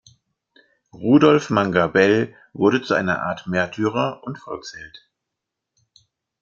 Rudolf Manga Bell wurde zu einer Art Märtyrer und Volksheld.